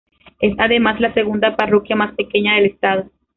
Es, además, la segunda parroquia más pequeña del Estado.